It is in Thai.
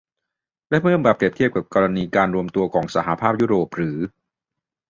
และเมื่อมาเปรียบเทียบกับกรณีการรวมตัวของสหภาพยุโรปหรือ